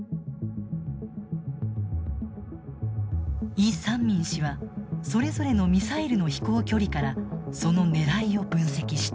イ・サンミン氏はそれぞれのミサイルの飛行距離からその狙いを分析した。